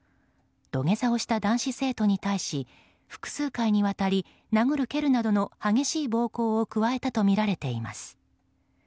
土下座をした男子生徒に対し複数回にわたり殴る蹴るなどの激しい暴行を加えたとみられています。